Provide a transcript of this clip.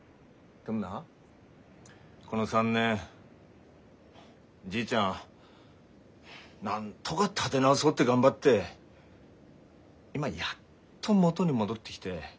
でもなこの３年じいちゃんなんとか立て直そうって頑張って今やっと元に戻ってきて。